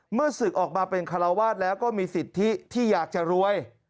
ศึกออกมาเป็นคาราวาสแล้วก็มีสิทธิที่อยากจะรวย